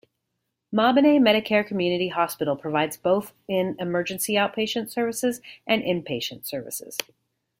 Mabinay Medicare Community Hospital provides both in emergency outpatients services and inpatient services.